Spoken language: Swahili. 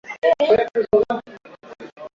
Ugonjwa wa kichaa cha mbwa kwa ngamia